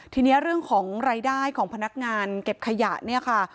ทีนี้เรื่องของรายได้ของพนักงานเก็บขยะเนี่ยค่ะ